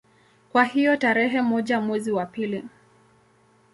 Kwa hiyo tarehe moja mwezi wa pili